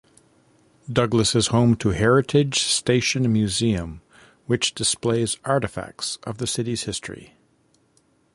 Douglas is home to Heritage Station Museum, which displays artifacts of the city's history.